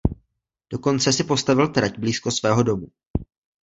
Dokonce si postavil trať blízko svého domu.